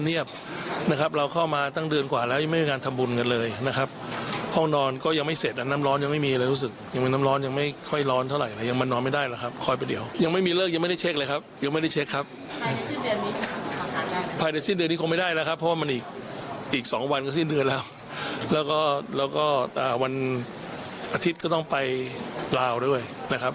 อีกสองวันก็ซีบเดือนแล้วแล้วก็แล้วก็วันอาทิตย์ก็ต้องไปลาวด้วยนะครับ